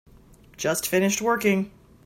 Just finished working.